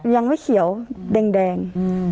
ยังไม่เขียวแดง